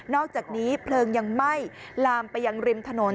อกจากนี้เพลิงยังไหม้ลามไปยังริมถนน